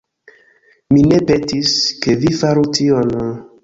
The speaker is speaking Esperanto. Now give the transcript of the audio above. Mi ne petis, ke vi faru tion...